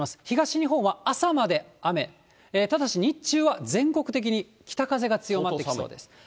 東日本は朝まで雨、ただし、日中は全国的に北風が強まってきそうです。